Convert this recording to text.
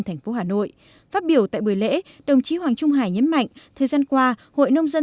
thành phố hà nội phát biểu tại buổi lễ đồng chí hoàng trung hải nhấn mạnh thời gian qua hội nông dân